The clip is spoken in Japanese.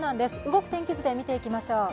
動く天気図で見ていきましょう。